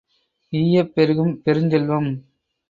ஈயப் பெருகும் பெருஞ் செல்வம்.